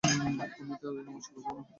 আমি-ই তোমার সকল ভাবনার পিরামিড!